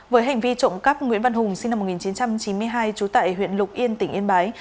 với hành vi trộm cắp nguyễn văn hùng sinh năm một nghìn chín trăm chín mươi hai trú tại huyện lục yên tỉnh yên bái